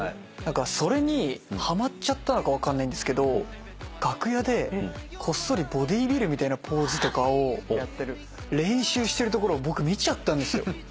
それにはまっちゃったのか分かんないんですけど楽屋でこっそりボディービルみたいなポーズとかを練習してるところを僕見ちゃったんですよ。